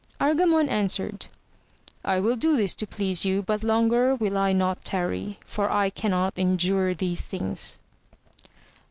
Argamon answered I will do this to please you, but longer I will not tarry, for I cannot endure these things.